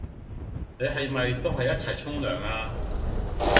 你係咪都係一齊嚟沖涼呀？